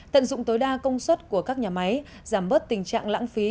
tận dụng tối đa công suất của các nhà máy giảm bớt tình trạng lãng phí